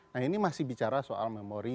nah ini masih bicara soal memori